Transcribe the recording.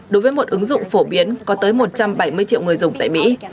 đối với một ứng dụng phổ biến có tới một trăm bảy mươi triệu người dùng tại mỹ